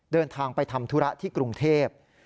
เดินทางไปทำธุระที่กรุงเทพ